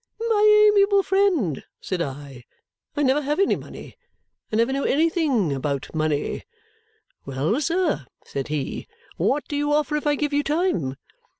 'My amiable friend,' said I, 'I never have any money. I never know anything about money.' 'Well, sir,' said he, 'what do you offer if I give you time?'